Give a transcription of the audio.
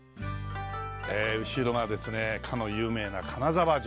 後ろがですねかの有名な金沢城。